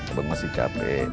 abang masih capek